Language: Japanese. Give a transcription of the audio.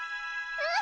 うん！